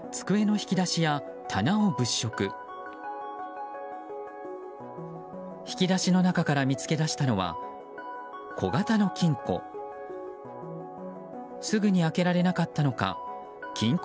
引き出しの中から見つけ出したのは小型の金庫。